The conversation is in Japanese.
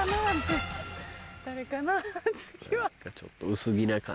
ちょっと。